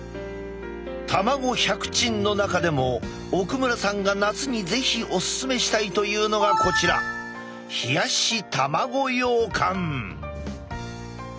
卵百珍の中でも奥村さんが夏に是非おすすめしたいというのがこちら冷やし卵羊羹。